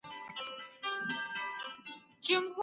کیسې مي خوښې دي.